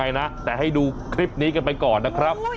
โอ้โหหน้าหวัดเสียวมากนะครับ